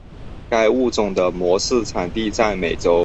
该物种的模式产地在美洲。